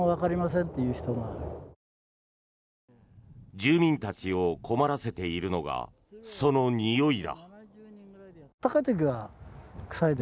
住民たちを困らせているのがそのにおいだ。